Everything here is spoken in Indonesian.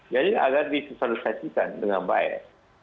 jadi agar disosialisasi dengan baik